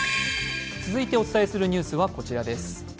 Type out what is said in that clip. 続いてお伝えするニュースはこちらです。